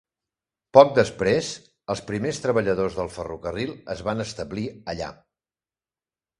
Poc després, els primers treballadors del ferrocarril es van establir allà.